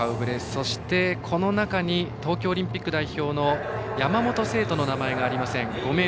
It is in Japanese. そして、この中に東京オリンピック代表の山本聖途の名前がありません。